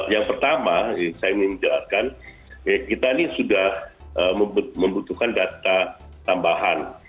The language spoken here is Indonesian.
yang pertama saya ingin menjelaskan kita ini sudah membutuhkan data tambahan